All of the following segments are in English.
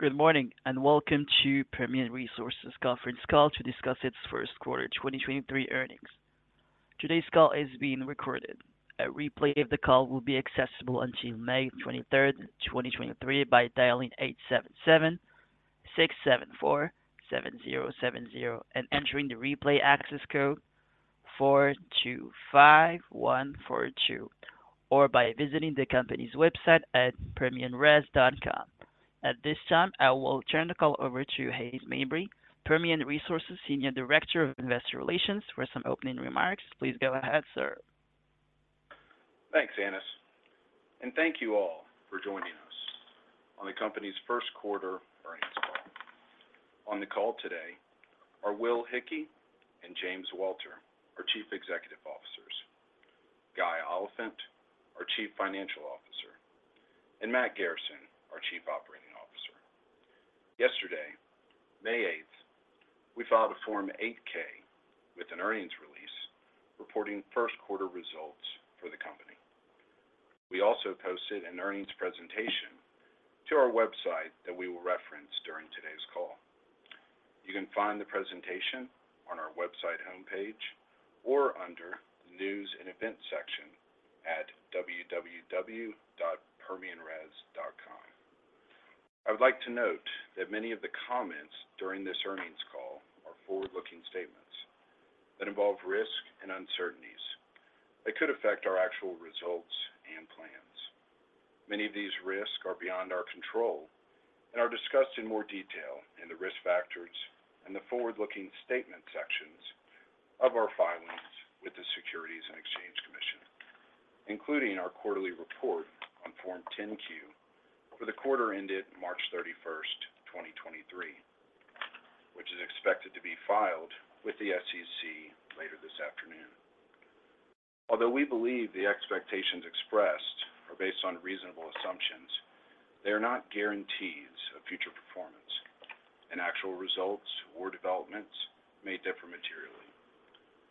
Good morning, and welcome to Permian Resources Conference Call to discuss its first quarter 2023 earnings. Today's call is being recorded. A replay of the call will be accessible until May 23rd, 2023 by dialing 877-674-7070 and entering the replay access code 425142, or by visiting the company's website at permianres.com. At this time, I will turn the call over to Hays Mabry, Permian Resources Senior Director of Investor Relations, for some opening remarks. Please go ahead, sir. Thanks, Anas. Thank you all for joining us on the company's first quarter earnings call. On the call today are Will Hickey and James Walter, our Chief Executive Officers, Guy Oliphint, our Chief Financial Officer, and Matt Garrison, our Chief Operating Officer. Yesterday, May 8th, we filed a Form 8-K with an earnings release reporting first quarter results for the company. We also posted an earnings presentation to our website that we will reference during today's call. You can find the presentation on our website homepage or under the News & Events section at www.permianres.com. I would like to note that many of the comments during this earnings call are forward-looking statements that involve risks and uncertainties that could affect our actual results and plans. Many of these risks are beyond our control and are discussed in more detail in the Risk Factors and the Forward-Looking Statement sections of our filings with the Securities and Exchange Commission, including our quarterly report on Form 10-Q for the quarter ended March 31st, 2023, which is expected to be filed with the SEC later this afternoon. Although we believe the expectations expressed are based on reasonable assumptions, they are not guarantees of future performance, and actual results or developments may differ materially.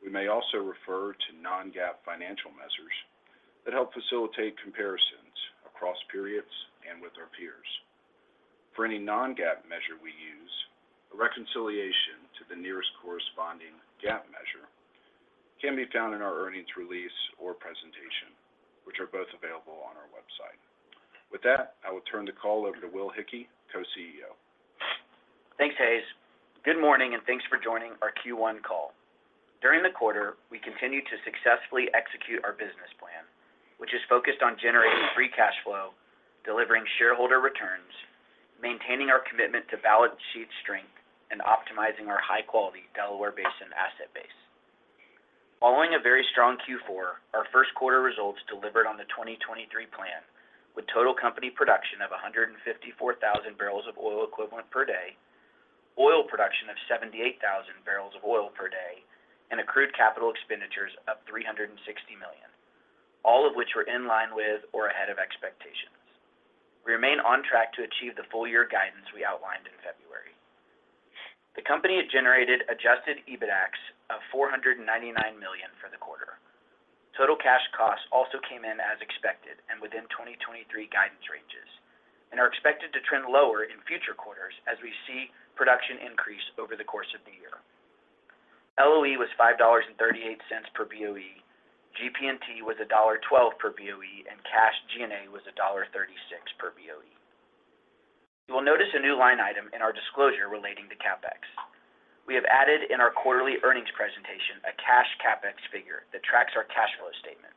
We may also refer to non-GAAP financial measures that help facilitate comparisons across periods and with our peers. For any non-GAAP measure we use, a reconciliation to the nearest corresponding GAAP measure can be found in our earnings release or presentation, which are both available on our website. With that, I will turn the call over to Will Hickey, Co-CEO. Thanks, Hays. Good morning. Thanks for joining our Q1 call. During the quarter, we continued to successfully execute our business plan, which is focused on generating free cash flow, delivering shareholder returns, maintaining our commitment to balance sheet strength, and optimizing our high-quality Delaware Basin asset base. Following a very strong Q4, our first quarter results delivered on the 2023 plan, with total company production of 154,000 BOE per day, oil production of 78,000 barrels of oil per day, and accrued CapEx of $360 million, all of which were in line with or ahead of expectations. We remain on track to achieve the full year guidance we outlined in February. The company had generated adjusted EBITDAX of $499 million for the quarter. Total cash costs also came in as expected and within 2023 guidance ranges and are expected to trend lower in future quarters as we see production increase over the course of the year. LOE was $5.38 per BOE, GP&T was $1.12 per BOE, and cash G&A was $1.36 per BOE. You will notice a new line item in our disclosure relating to CapEx. We have added in our quarterly earnings presentation a cash CapEx figure that tracks our cash flow statement.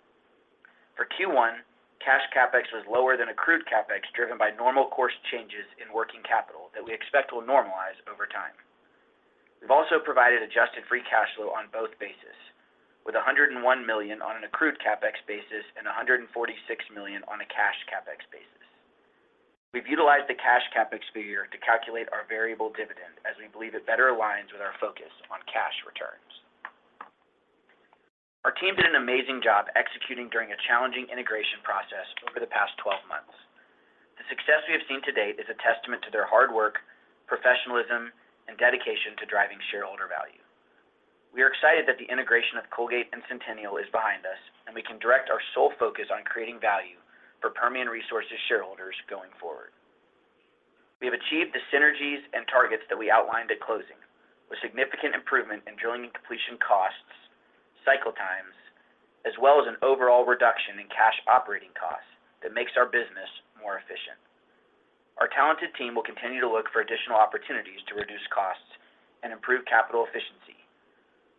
For Q1, cash CapEx was lower than accrued CapEx, driven by normal course changes in working capital that we expect will normalize over time. We've also provided adjusted free cash flow on both basis, with $101 million on an accrued CapEx basis and $146 million on a cash CapEx basis. We've utilized the cash CapEx figure to calculate our variable dividend as we believe it better aligns with our focus on cash returns. Our team did an amazing job executing during a challenging integration process over the past 12 months. The success we have seen to date is a testament to their hard work, professionalism, and dedication to driving shareholder value. We are excited that the integration of Colgate and Centennial is behind us, and we can direct our sole focus on creating value for Permian Resources shareholders going forward. We have achieved the synergies and targets that we outlined at closing, with significant improvement in drilling and completion costs, cycle times, as well as an overall reduction in cash operating costs that makes our business more efficient. Our talented team will continue to look for additional opportunities to reduce costs and improve capital efficiency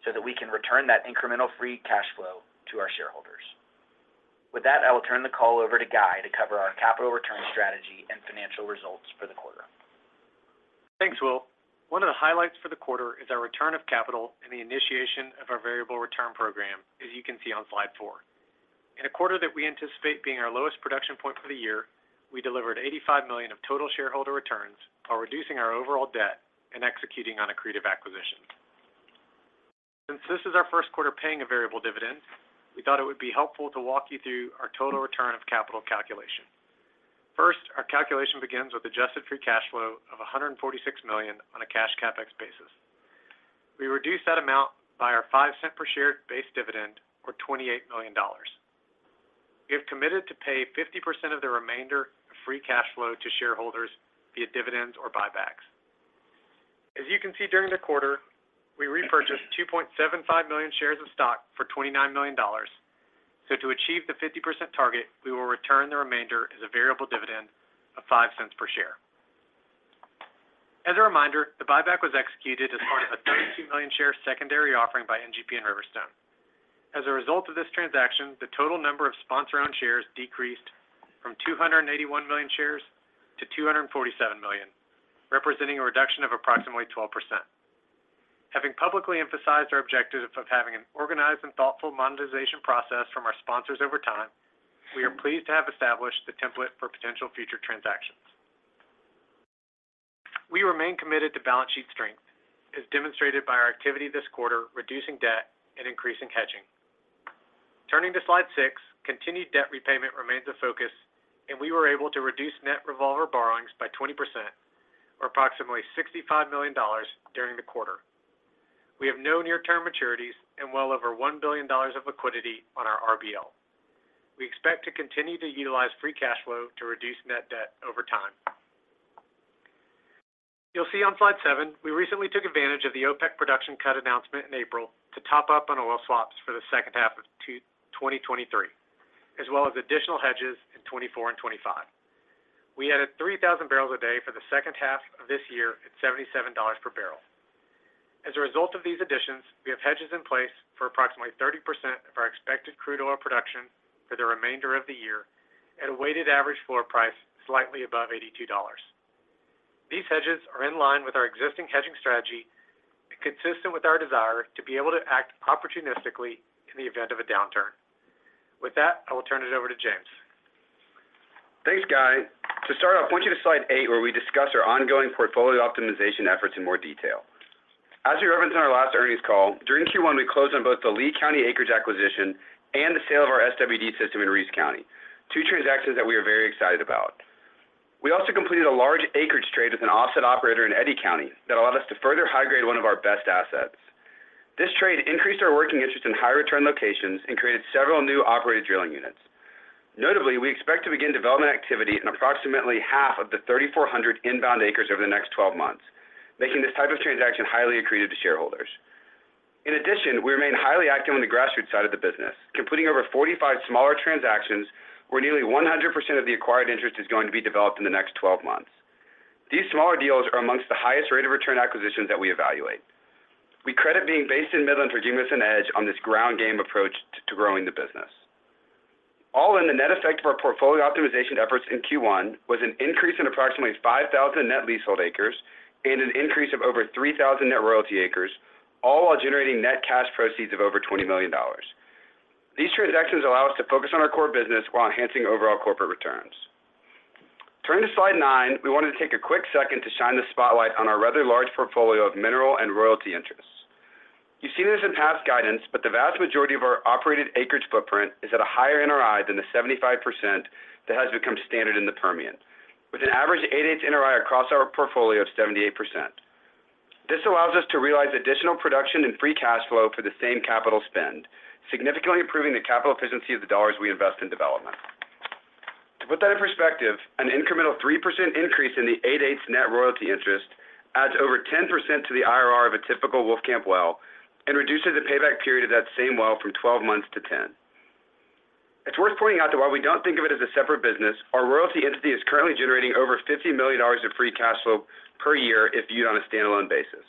so that we can return that incremental free cash flow to our shareholders. With that, I will turn the call over to Guy to cover our capital return strategy and financial results for the quarter. Thanks, Will. One of the highlights for the quarter is our return of capital and the initiation of our variable return program, as you can see on slide four. In a quarter that we anticipate being our lowest production point for the year, we delivered $85 million of total shareholder returns while reducing our overall debt and executing on accretive acquisitions. Since this is our first quarter paying a variable dividend, we thought it would be helpful to walk you through our total return of capital calculation. First, our calculation begins with adjusted free cash flow of $146 million on a cash CapEx basis. We reduce that amount by our $0.05 per share base dividend or $28 million. We have committed to pay 50% of the remainder of free cash flow to shareholders via dividends or buybacks. You can see during the quarter, we repurchased 2.75 million shares of stock for $29 million. To achieve the 50% target, we will return the remainder as a variable dividend of $0.05 per share. As a reminder, the buyback was executed as part of a 32 million share secondary offering by NGP and Riverstone. A result of this transaction, the total number of sponsor-owned shares decreased from 281 million shares to 247 million, representing a reduction of approximately 12%. Having publicly emphasized our objective of having an organized and thoughtful monetization process from our sponsors over time, we are pleased to have established the template for potential future transactions. We remain committed to balance sheet strength, as demonstrated by our activity this quarter, reducing debt and increasing hedging. Turning to slide six, continued debt repayment remains a focus, and we were able to reduce net revolver borrowings by 20% or approximately $65 million during the quarter. We have no near-term maturities and well over $1 billion of liquidity on our RBL. We expect to continue to utilize free cash flow to reduce net debt over time. You'll see on slide seven, we recently took advantage of the OPEC production cut announcement in April to top up on oil swaps for the second half of 2023, as well as additional hedges in 2024 and 2025. We added 3,000 barrels a day for the second half of this year at $77 per barrel. As a result of these additions, we have hedges in place for approximately 30% of our expected crude oil production for the remainder of the year at a weighted average floor price slightly above $82. These hedges are in line with our existing hedging strategy and consistent with our desire to be able to act opportunistically in the event of a downturn. With that, I will turn it over to James. Thanks, Guy. To start off, I want you to slide eight, where we discuss our ongoing portfolio optimization efforts in more detail. As we referenced on our last earnings call, during Q1, we closed on both the Lea County acreage acquisition and the sale of our SWD system in Reeves County, two transactions that we are very excited about. We also completed a large acreage trade with an offset operator in Eddy County that allowed us to further high-grade one of our best assets. This trade increased our working interest in high return locations and created several new operated drilling units. Notably, we expect to begin development activity in approximately half of the 3,400 inbound acres over the next 12 months, making this type of transaction highly accretive to shareholders. In addition, we remain highly active on the grassroots side of the business, completing over 45 smaller transactions where nearly 100% of the acquired interest is going to be developed in the next 12 months. These smaller deals are amongst the highest rate of return acquisitions that we evaluate. We credit being based in Midland for giving us an edge on this ground game approach to growing the business. All in, the net effect of our portfolio optimization efforts in Q1 was an increase in approximately 5,000 net leasehold acres and an increase of over 3,000 net royalty acres, all while generating net cash proceeds of over $20 million. These transactions allow us to focus on our core business while enhancing overall corporate returns. Turning to slide nine, we wanted to take a quick second to shine the spotlight on our rather large portfolio of mineral and royalty interests. You've seen this in past guidance, but the vast majority of our operated acreage footprint is at a higher NRI than the 75% that has become standard in the Permian, with an average eight-eighths NRI across our portfolio of 78%. This allows us to realize additional production and free cash flow for the same capital spend, significantly improving the capital efficiency of the dollars we invest in development. To put that in perspective, an incremental 3% increase in the eight-eighths net royalty interest adds over 10% to the IRR of a typical Wolfcamp well and reduces the payback period of that same well from 12 months to 10. It's worth pointing out that while we don't think of it as a separate business, our royalty entity is currently generating over $50 million of free cash flow per year if viewed on a standalone basis.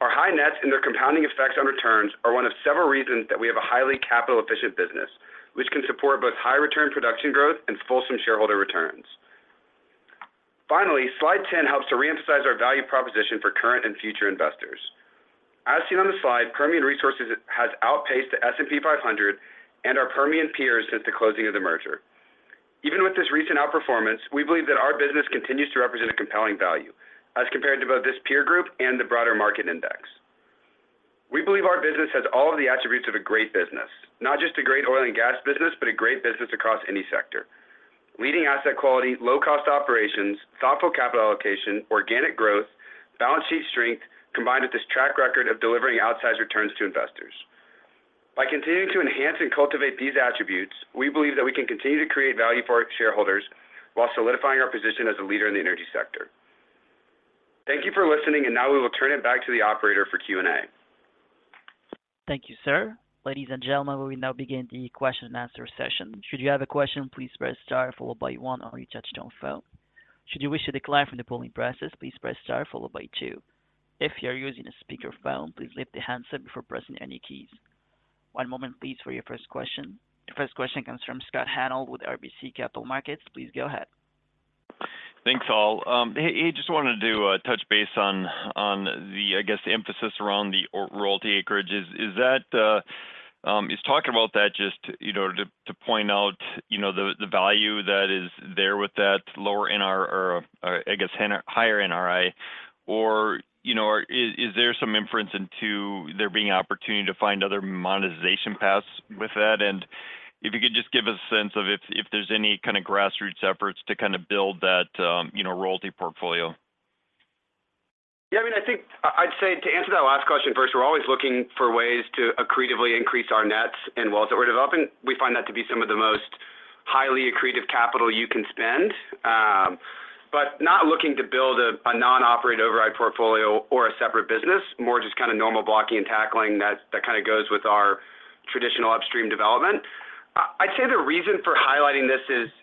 Our high nets and their compounding effects on returns are one of several reasons that we have a highly capital-efficient business, which can support both high return production growth and fulsome shareholder returns. Finally, slide 10 helps to reemphasize our value proposition for current and future investors. As seen on the slide, Permian Resources has outpaced the S&P 500 and our Permian peers since the closing of the merger. Even with this recent outperformance, we believe that our business continues to represent a compelling value as compared to both this peer group and the broader market index. We believe our business has all of the attributes of a great business. Not just a great oil and gas business, but a great business across any sector. Leading asset quality, low cost operations, thoughtful capital allocation, organic growth, balance sheet strength, combined with this track record of delivering outsized returns to investors. By continuing to enhance and cultivate these attributes, we believe that we can continue to create value for our shareholders while solidifying our position as a leader in the energy sector. Thank you for listening. Now we will turn it back to the operator for Q&A. Thank you, sir. Ladies and gentlemen, we will now begin the question and answer session. Should you have a question, please press star followed by one on your touch-tone phone. Should you wish to declare from the polling process, please press star followed by two. If you're using a speakerphone, please lift the handset before pressing any keys. One moment please for your first question. Your first question comes from Scott Hanold with RBC Capital Markets. Please go ahead. Thanks, all. Hey, just wanted to touch base on the, I guess, the emphasis around the royalty acreages. Is that talking about that just to, you know, to point out, you know, the value that is there with that lower NR or I guess higher NRI? Or, you know, or is there some inference into there being opportunity to find other monetization paths with that? And if you could just give us a sense of if there's any kind of grassroots efforts to, kind of, build that, you know, royalty portfolio. I mean, I think I'd say to answer that last question first, we're always looking for ways to accretively increase our nets and wells that we're developing. We find that to be some of the most highly accretive capital you can spend. But not looking to build a non-operated override portfolio or a separate business, more just kinda normal blocking and tackling that kinda goes with our traditional upstream development. I'd say the reason for highlighting this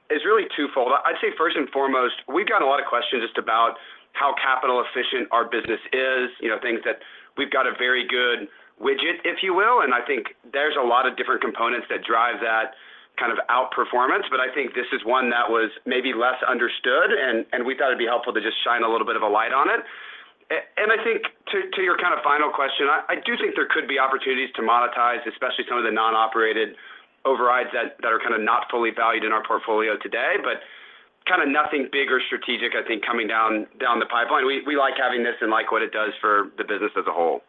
is really twofold. I'd say first and foremost, we've got a lot of questions just about how capital efficient our business is, you know, things that we've got a very good widget, if you will, and I think there's a lot of different components that drive that kind of outperformance. I think this is one that was maybe less understood and we thought it'd be helpful to just shine a little bit of a light on it. I think to your kind of final question, I do think there could be opportunities to monetize, especially some of the non-operated overrides that are kinda not fully valued in our portfolio today. Kinda nothing big or strategic, I think, coming down the pipeline. We like having this and like what it does for the business as a whole.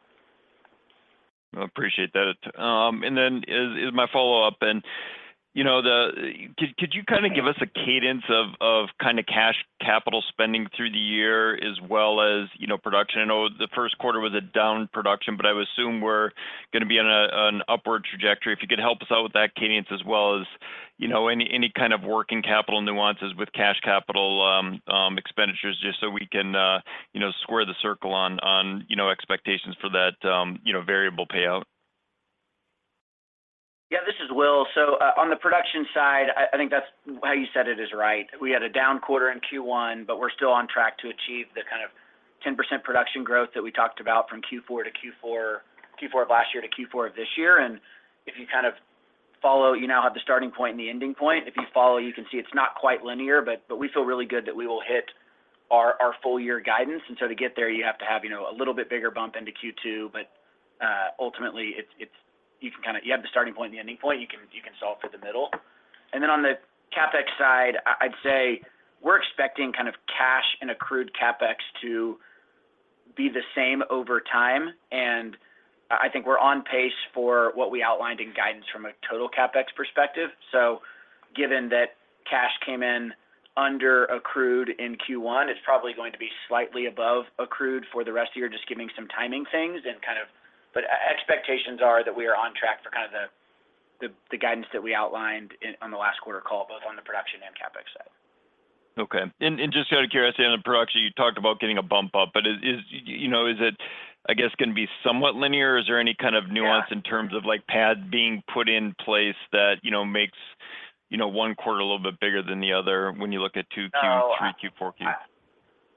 Appreciate that. As my follow-up then, you know, Could you kinda give us a cadence of kinda cash capital spending through the year as well as, you know, production? I know the first quarter was a down production, I would assume we're gonna be on an upward trajectory. If you could help us out with that cadence as well as, you know, any kind of working capital nuances with cash capital expenditures, just so we can, you know, square the circle on, you know, expectations for that, you know, variable payout. This is Will. On the production side, I think that's how you said it is right. We had a down quarter in Q1, but we're still on track to achieve the kind of 10% production growth that we talked about from Q4 of last year to Q4 of this year. If you kind of follow, you now have the starting point and the ending point. If you follow, you can see it's not quite linear, but we feel really good that we will hit our full year guidance. To get there, you have to have, you know, a little bit bigger bump into Q2, but ultimately, you have the starting point and the ending point, you can solve for the middle. On the CapEx side, I'd say we're expecting kind of cash and accrued CapEx to be the same over time. I think we're on pace for what we outlined in guidance from a total CapEx perspective. Given that cash came in under accrued in Q1, it's probably going to be slightly above accrued for the rest of the year, just giving some timing things and kind of... Expectations are that we are on track for kind of the guidance that we outlined on the last quarter call, both on the production and CapEx side. Okay. Just out of curiosity, on the production, you talked about getting a bump up, but is, you know, is it, I guess, gonna be somewhat linear? Is there any kind of nuance? Yeah... in terms of like pads being put in place that, you know, makes, you know, one quarter a little bit bigger than the other when you look at 2Q, 3Q, 4Q? No,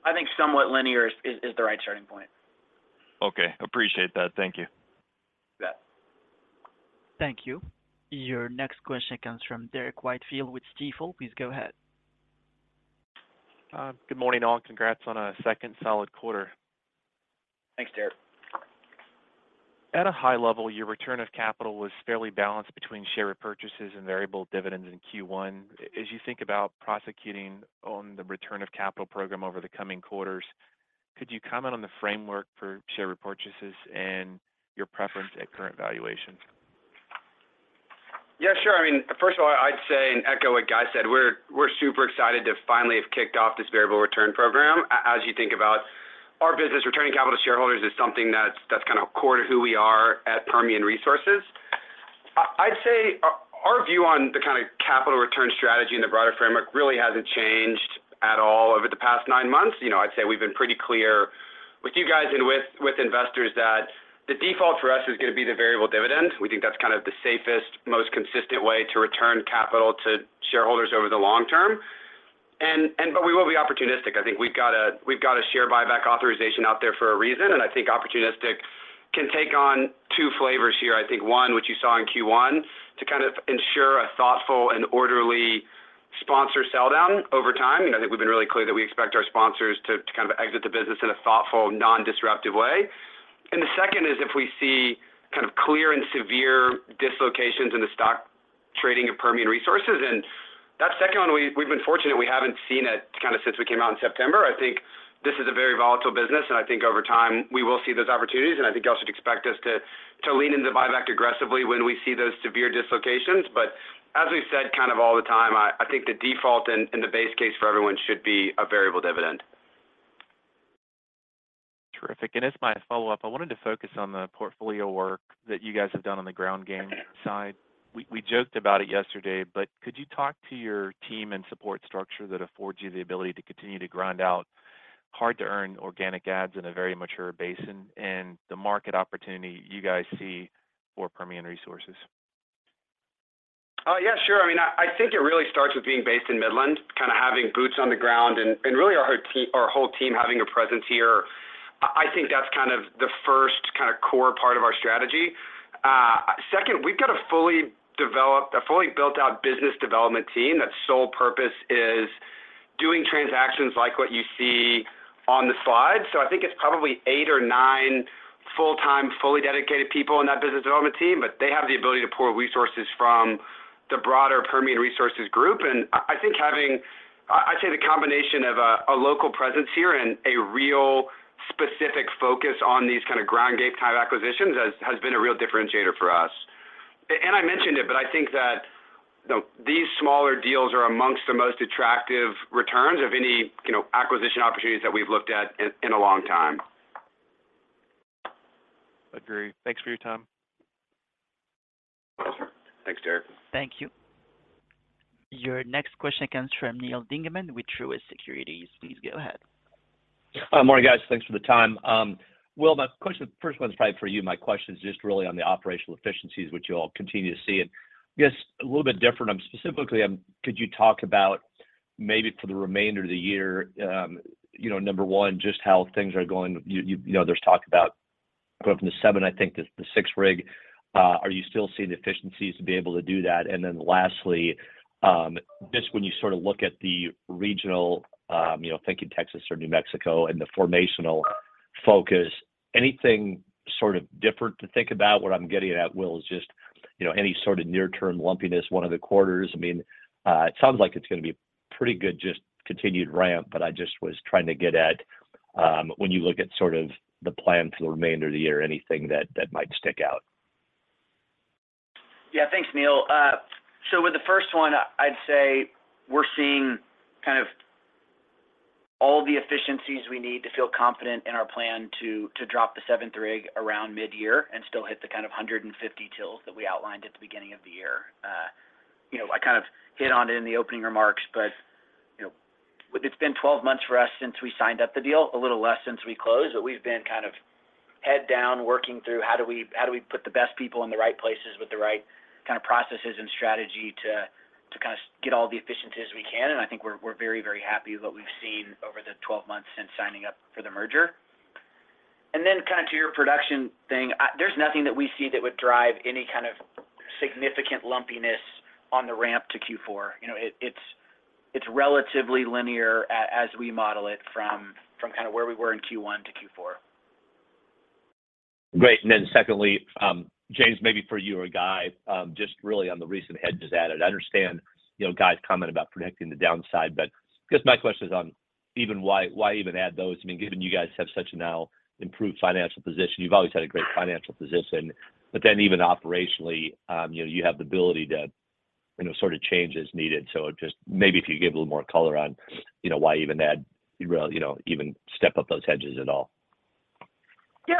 I think somewhat linear is the right starting point. Okay. Appreciate that. Thank you. You bet. Thank you. Your next question comes from Derrick Whitfield with Stifel. Please go ahead. Good morning, all. Congrats on a second solid quarter. Thanks, Derrick. At a high level, your return of capital was fairly balanced between share repurchases and variable dividends in Q1. As you think about prosecuting on the return of capital program over the coming quarters, could you comment on the framework for share repurchases and your preference at current valuations? Yeah, sure. I mean, first of all, I'd say and echo what Guy said, we're super excited to finally have kicked off this variable return program. As you think about our business, returning capital to shareholders is something that's kind of core to who we are at Permian Resources. Our view on the kinda capital return strategy and the broader framework really hasn't changed at all over the past nine months. You know, I'd say we've been pretty clear with you guys and with investors that the default for us is gonna be the variable dividend. We think that's kind of the safest, most consistent way to return capital to shareholders over the long term. We will be opportunistic. I think we've got a share buyback authorization out there for a reason, and I think opportunistic can take on two flavors here. I think one, which you saw in Q1, to kind of ensure a thoughtful and orderly sponsor sell down over time. I think we've been really clear that we expect our sponsors to kind of exit the business in a thoughtful, non-disruptive way. The second is if we see kind of clear and severe dislocations in the stock trading of Permian Resources. That second one, we've been fortunate we haven't seen it kinda since we came out in September. I think this is a very volatile business, and I think over time we will see those opportunities, and I think you all should expect us to lean into buyback aggressively when we see those severe dislocations. As we've said kind of all the time, I think the default and the base case for everyone should be a variable dividend. Terrific. As my follow-up, I wanted to focus on the portfolio work that you guys have done on the ground game side. We joked about it yesterday, but could you talk to your team and support structure that affords you the ability to continue to grind out hard to earn organic adds in a very mature basin and the market opportunity you guys see for Permian Resources? Yeah, sure. I mean, I think it really starts with being based in Midland, kinda having boots on the ground and really our whole team having a presence here. I think that's kind of the first kinda core part of our strategy. Second, we've got a fully built out business development team that's sole purpose is doing transactions like what you see on the slide. I think it's probably 8 or 9 full-time, fully dedicated people in that business development team, but they have the ability to pull resources from the broader Permian Resources group. I think I'd say the combination of a local presence here and a real specific focus on these kinda ground game type acquisitions has been a real differentiator for us. I mentioned it, but I think that, you know, these smaller deals are amongst the most attractive returns of any, you know, acquisition opportunities that we've looked at in a long time. Agree. Thanks for your time. Thanks, Derrick. Thank you. Your next question comes from Neal Dingmann with Truist Securities. Please go ahead. Hi, morning, guys. Thanks for the time. Will, first one's probably for you. My question is just really on the operational efficiencies which you all continue to see. I guess a little bit different, specifically, could you talk about maybe for the remainder of the year, number one, just how things are going. You know, there's talk about going from the seven, I think, to the six rig. Are you still seeing the efficiencies to be able to do that? Lastly, just when you sort of look at the regional, thinking Texas or New Mexico and the formational focus, anything sort of different to think about? What I'm getting at, Will, is just any sort of near term lumpiness, one of the quarters. I mean, it sounds like it's gonna be pretty good, just continued ramp, but I just was trying to get at, when you look at sort of the plan for the remainder of the year, anything that might stick out? Yeah. Thanks, Neal. With the first one, I'd say we're seeing kind of all the efficiencies we need to feel confident in our plan to drop the 7th rig around mid-year and still hit the kind of 150 TILs that we outlined at the beginning of the year. You know, I kind of hit on it in the opening remarks, but, you know, it's been 12 months for us since we signed up the deal, a little less since we closed, but we've been kind of head down working through how do we put the best people in the right places with the right kind of processes and strategy to kind of get all the efficiencies we can. I think we're very, very happy with what we've seen over the 12 months since signing up for the merger. Kind of to your production thing, there's nothing that we see that would drive any kind of significant lumpiness on the ramp to Q4. You know, it's, it's relatively linear as we model it from kind of where we were in Q1 to Q4. Great. Secondly, James, maybe for you or Guy, just really on the recent hedges added. I understand, you know, Guy's comment about predicting the downside, but I guess my question is on even why even add those? I mean, given you guys have such a now improved financial position. You've always had a great financial position, even operationally, you know, you have the ability to, you know, sort of change as needed. Just maybe if you could give a little more color on, you know, why even add, you know, even step up those hedges at all. Yeah,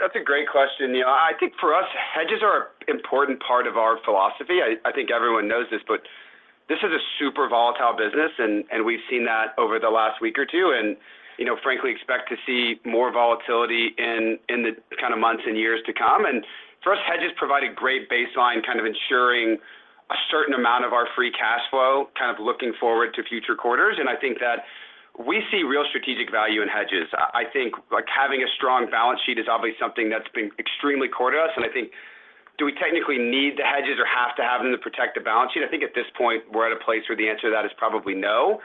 that's a great question, Neal. I think for us, hedges are an important part of our philosophy. I think everyone knows this, but this is a super volatile business and we've seen that over the last week or two and, you know, frankly expect to see more volatility in the kind of months and years to come. For us, hedges provide a great baseline, kind of ensuring a certain amount of our free cash flow, kind of looking forward to future quarters. I think that we see real strategic value in hedges. I think like having a strong balance sheet is obviously something that's been extremely core to us. I think do we technically need the hedges or have to have them to protect the balance sheet? I think at this point, we're at a place where the answer to that is probably no.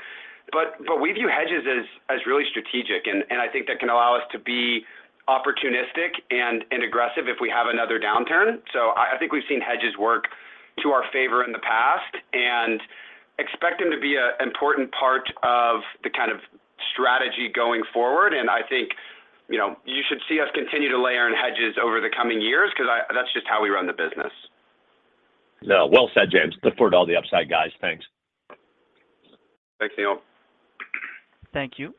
We view hedges as really strategic and I think that can allow us to be opportunistic and aggressive if we have another downturn. I think we've seen hedges work to our favor in the past and expect them to be an important part of the kind of strategy going forward. I think, you know, you should see us continue to layer in hedges over the coming years because that's just how we run the business. No. Well said, James. Look forward to all the upside, guys. Thanks. Thanks, Neal. Thank you.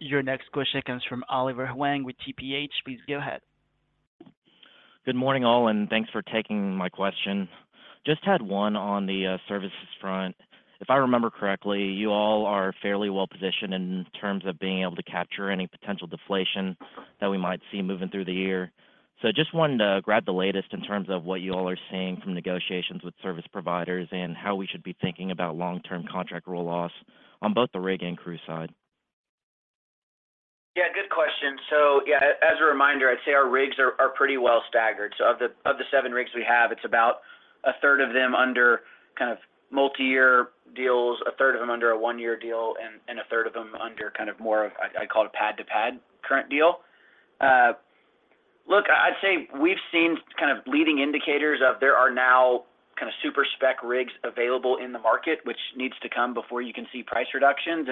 Your next question comes from Oliver Huang with TPH. Please go ahead. Good morning, all, and thanks for taking my question. Just had one on the services front. If I remember correctly, you all are fairly well positioned in terms of being able to capture any potential deflation that we might see moving through the year. Just wanted to grab the latest in terms of what you all are seeing from negotiations with service providers and how we should be thinking about long-term contract roll-offs on both the rig and crew side. Yeah, good question. Yeah, as a reminder, I'd say our rigs are pretty well staggered. Of the seven rigs we have, it's about a third of them under kind of multi-year deals, a third of them under a 1-year deal, and a third of them under kind of more of a, I'd call it pad to pad current deal. Look, I'd say we've seen kind of leading indicators of there are now kind of super-spec rigs available in the market, which needs to come before you can see price reductions.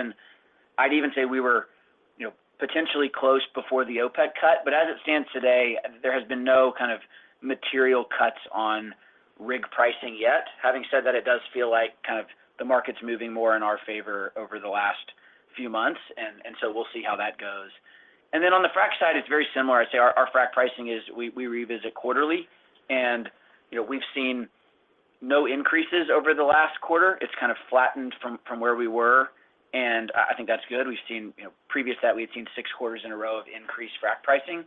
I'd even say we were, you know, potentially close before the OPEC cut. As it stands today, there has been no kind of material cuts on rig pricing yet. Having said that, it does feel like kind of the market's moving more in our favor over the last few months. We'll see how that goes. On the frack side, it's very similar. I'd say our frack pricing is we revisit quarterly and, you know, we've seen no increases over the last quarter. It's kind of flattened from where we were. I think that's good. We've seen, you know, previous to that, we had seen 6 quarters in a row of increased frack pricing.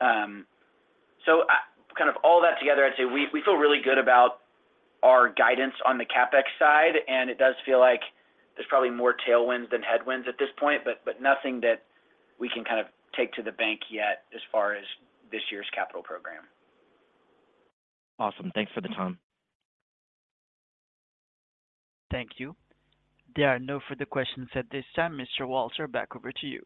Kind of all that together, I'd say we feel really good about our guidance on the CapEx side. It does feel like there's probably more tailwinds than headwinds at this point, but nothing that we can kind of take to the bank yet as far as this year's capital program. Awesome. Thanks for the time. Thank you. There are no further questions at this time. Mr. Walter, back over to you.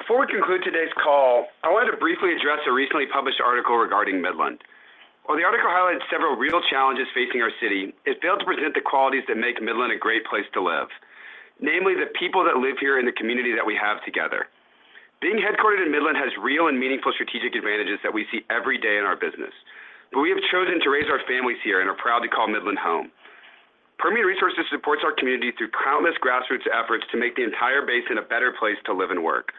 Before we conclude today's call, I wanted to briefly address a recently published article regarding Midland. While the article highlights several real challenges facing our city, it failed to present the qualities that make Midland a great place to live. Namely, the people that live here and the community that we have together. Being headquartered in Midland has real and meaningful strategic advantages that we see every day in our business. We have chosen to raise our families here and are proud to call Midland home. Permian Resources supports our community through countless grassroots efforts to make the entire Permian Basin a better place to live and work.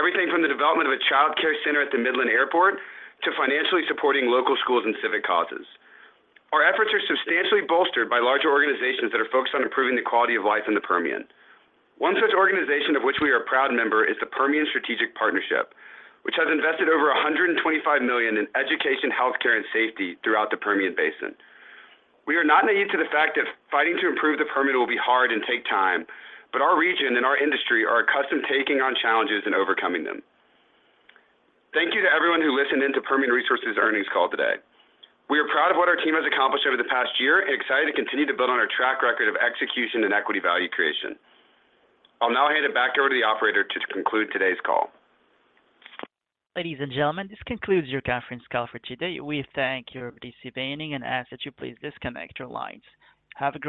Everything from the development of a childcare center at the Midland Airport to financially supporting local schools and civic causes. Our efforts are substantially bolstered by larger organizations that are focused on improving the quality of life in the Permian. One such organization of which we are a proud member is the Permian Strategic Partnership, which has invested over $125 million in education, healthcare, and safety throughout the Permian Basin. We are not naive to the fact that fighting to improve the Permian will be hard and take time. Our region and our industry are accustomed to taking on challenges and overcoming them. Thank you to everyone who listened in to Permian Resources earnings call today. We are proud of what our team has accomplished over the past year and excited to continue to build on our track record of execution and equity value creation. I'll now hand it back over to the operator to conclude today's call. Ladies and gentlemen, this concludes your conference call for today. We thank you for participating and ask that you please disconnect your lines. Have a great day.